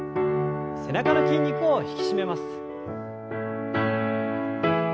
背中の筋肉を引き締めます。